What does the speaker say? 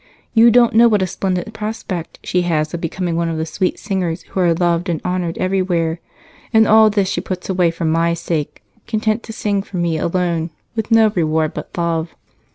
You don't know what a splendid prospect she has of becoming one of the sweet singers who are loved and honored everywhere, and all this she puts away for my sake, content to sing for me alone, with no reward but love."